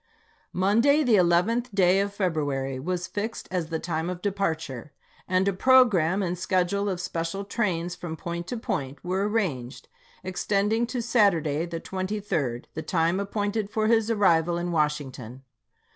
i86i. Monday, the 11th day of February, was fixed as the time of departure, and a programme and schedule of special trains from point to point were arranged, extending to Saturday, the 23d, the time appointed for his arrival in Washington.